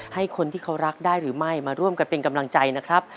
ให้คนที่เขารักได้หรือไม่มาร่วมกันเป็นกำลังใจนะครับ